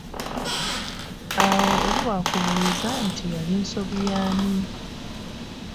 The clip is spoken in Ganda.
Awo oli wakubuuliza nti yali nsobi y'ani?